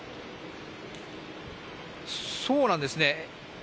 そうなんですね。